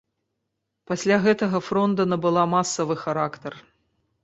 Пасля гэтага фронда набыла масавы характар.